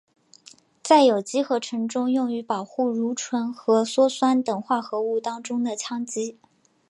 在有机合成中用于保护如醇和羧酸等化合物当中的羟基。